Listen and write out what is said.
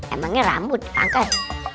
emangnya rambut pangkas